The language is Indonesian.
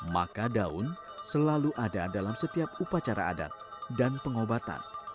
maka daun selalu ada dalam setiap upacara adat dan pengobatan